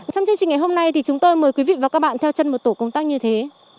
trong chương trình ngày hôm nay thì chúng tôi mời quý vị và các bạn theo chân một tổ công tác như thế